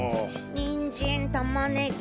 にんじん玉ねぎ。